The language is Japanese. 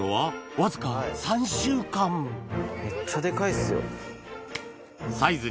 めっちゃデカいっすよ。